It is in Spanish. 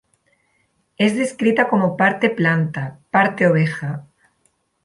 Es descrita como parte planta, parte oveja.